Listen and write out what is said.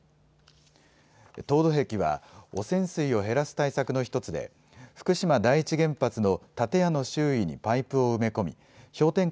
凍土壁は汚染水を減らす対策の１つで福島第一原発の建屋の周囲にパイプを埋め込み氷点下